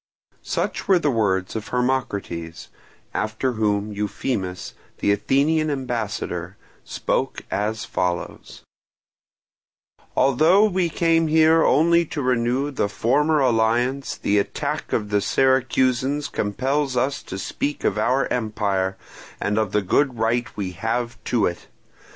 Such were the words of Hermocrates; after whom Euphemus, the Athenian ambassador, spoke as follows: "Although we came here only to renew the former alliance, the attack of the Syracusans compels us to speak of our empire and of the good right we have to it.